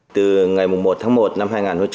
từ ngày một tháng một năm hai nghìn một mươi sáu